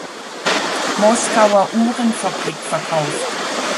Moskauer Uhrenfabrik verkauft.